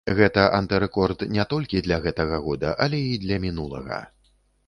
Гэта антырэкорд не толькі для гэтага года, але і для мінулага.